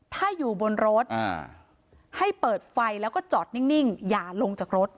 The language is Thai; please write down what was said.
ถ้าอยู่บนรถให้เปิดไฟแล้วก็จอดนิ่งอย่าลงจากรถ